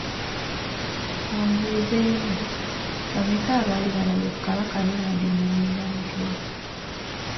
Ka mbuuzeemu, bameka abaali balabye ku Kabaka Ronald Muwenda Mutebi?